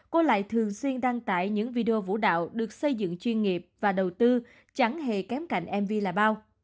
cô lại thường xuyên đăng tải những video vũ đạo được xây dựng chuyên nghiệp và đầu tư chẳng hề kém cạnh mv là bao